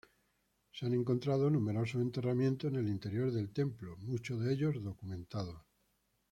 Se han encontrado numerosos enterramientos en el interior del templo, muchos de ellos documentados.